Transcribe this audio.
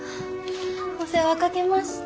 お世話かけました。